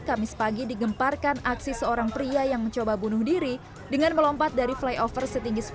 lagi digemparkan aksi seorang pria yang mencoba bunuh diri dengan melompat dari flyover setinggi